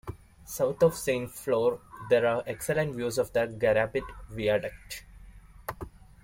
South of Saint Flour there are excellent views of the Garabit viaduct.